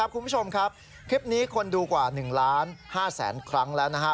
คุณผู้ชมครับคลิปนี้คนดูกว่า๑ล้าน๕แสนครั้งแล้วนะฮะ